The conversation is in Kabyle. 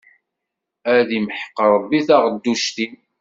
Ad imḥeq Ṛebbi taɣedduct-im!